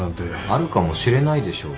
あるかもしれないでしょう。